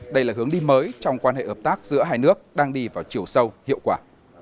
đây là hướng đi mới trong quan hệ hợp tác giữa hai nước đang đi vào chiều sâu hiệu quả